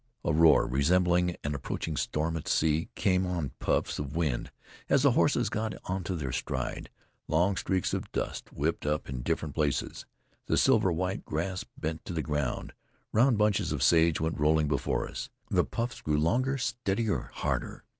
A roar, resembling an approaching storm at sea, came on puffs of wind, as the horses got into their stride. Long streaks of dust whipped up in different places; the silver white grass bent to the ground; round bunches of sage went rolling before us. The puffs grew longer, steadier, harder.